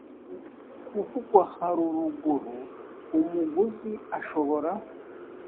kuvugwa haruruguru umuguzi ashobora